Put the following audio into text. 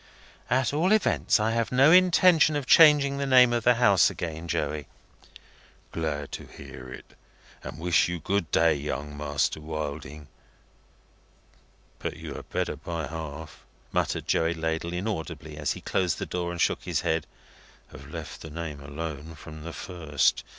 "At all events, I have no intention of changing the name of the House again, Joey." "Glad to hear it, and wish you good day, Young Master Wilding. But you had better by half," muttered Joey Ladle inaudibly, as he closed the door and shook his head, "have let the name alone from the first.